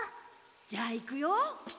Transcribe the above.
じゃあいくよ。